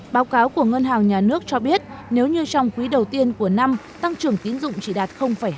báo cáo của ngân hàng nhà nước cho biết nếu như trong quý đầu tiên của năm tăng trưởng tín dụng chỉ đạt hai mươi